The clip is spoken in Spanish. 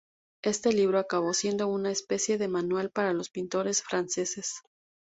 Este libro acabó siendo una especie de manual para los pintores franceses.